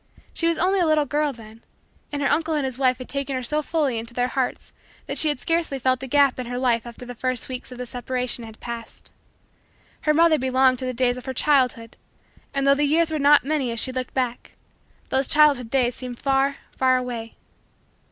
She was only a little girl, then, and her uncle and his wife had taken her so fully into their hearts that she had scarcely felt the gap in her life after the first weeks of the separation had passed. Her mother belonged to the days of her childhood and, though the years were not many as she looked back, those childhood days seemed far, far, away.